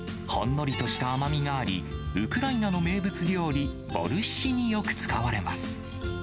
ほんのりとした甘みがあり、ウクライナの名物料理、ボルシチによく使われます。